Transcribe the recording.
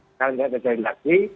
sekarang tidak terjadi lagi